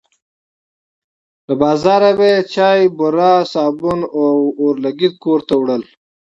له بازاره به یې چای، بوره، صابون او اورلګیت کور ته وړل.